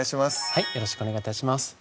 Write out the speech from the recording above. はいよろしくお願い致します